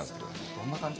どんな感じ？